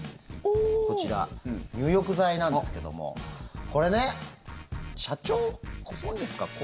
こちら、入浴剤なんですけどもこれね、社長ご存じですか？